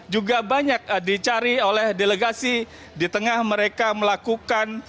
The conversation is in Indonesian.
juga banyak dicari oleh delegasi di tengah mereka melakukan